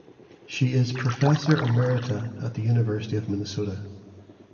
She is Professor Emerita at the University of Minnesota.